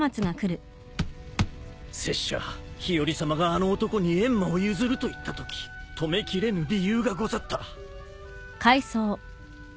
拙者日和さまがあの男に閻魔を譲ると言ったとき止めきれぬ理由がござった。